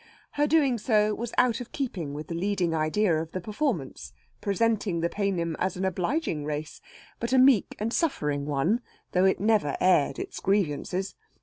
Her doing so was out of keeping with the leading idea of the performance, presenting the Paynim as an obliging race; but a meek and suffering one, though it never aired its grievances.